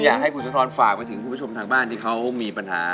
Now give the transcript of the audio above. อยากให้คุณสุนทรฝากไปถึงคุณผู้ชมทางบ้านที่เขามีปัญหา